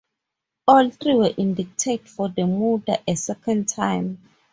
All three were indicted for the murder a second time.